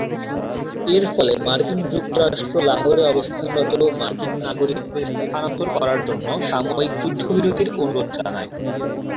এর ফলে মার্কিন যুক্তরাষ্ট্র লাহোরে অবস্থানরত মার্কিন নাগরিকদের স্থানান্তর করার জন্য সাময়িক যুদ্ধবিরতির অনুরোধ জানায়।